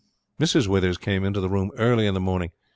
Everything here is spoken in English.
Mrs. Withers came into the room early in the morning.